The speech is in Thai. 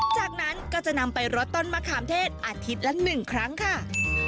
จากนั้นก็จะนำไปรดต้นมะขามเทศอาทิตย์ละ๑ครั้งค่ะ